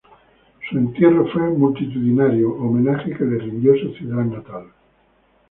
Su entierro fue multitudinario, homenaje que le rindió su ciudad natal.